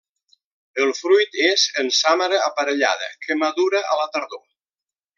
El fruit és en sàmara aparellada que madura a la tardor.